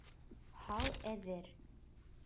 Һал әҙер.